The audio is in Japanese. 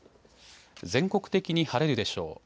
全国的に晴れるでしょう。